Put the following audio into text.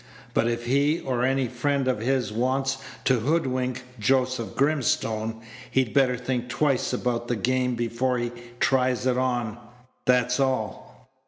But if he or any friend of his wants to hoodwink Joseph Grimstone, he'd better think twice about the game before he tries it on that's all."